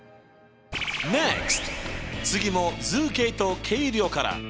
次も「図形と計量」から。